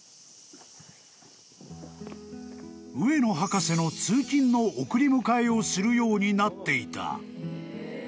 ［上野博士の通勤の送り迎えをするようになっていた］